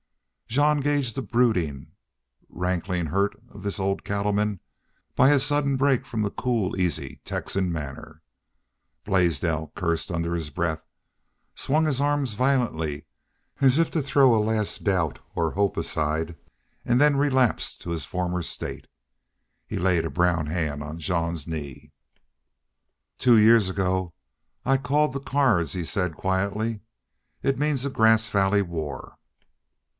Jean gauged the brooding, rankling hurt of this old cattleman by his sudden break from the cool, easy Texan manner. Blaisdell cursed under his breath, swung his arms violently, as if to throw a last doubt or hope aside, and then relapsed to his former state. He laid a brown hand on Jean's knee. "Two years ago I called the cards," he said, quietly. "It means a Grass Valley war."